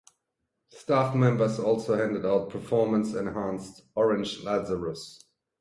Staff members also handed out "performance-enhanced" Orange Lazarus.